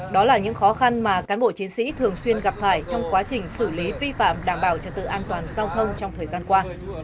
đó là những khó khăn mà cán bộ chiến sĩ thường xuyên gặp phải trong quá trình xử lý vi phạm đảm bảo trật tự an toàn giao thông trong thời gian qua